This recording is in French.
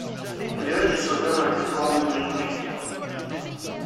Le visage du Sauveur a été fort endommagé au fil du temps.